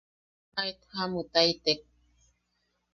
Aet jaamutaitek.